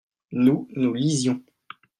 nous , nous lisions.